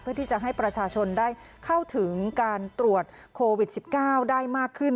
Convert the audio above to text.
เพื่อที่จะให้ประชาชนได้เข้าถึงการตรวจโควิด๑๙ได้มากขึ้น